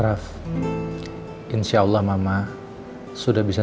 raff insyaallah mama sudah bisa